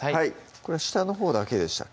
これ下のほうだけでしたっけ？